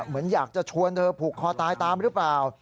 เหมือนอยากจะชวนเธอผูกคอตายตามหรือเปล่า